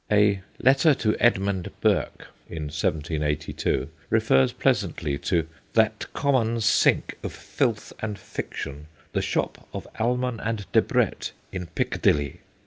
A 'Letter to Edmund Burke* in 1782, refers pleasantly to * that common sink of filth and fiction, the shop of Almon and Debrett in Piccadilly.